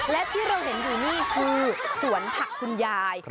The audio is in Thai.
และที่เราเห็นอยู่นี่คือสวนผักคุณยาย